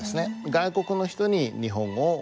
外国の人に日本語を教える。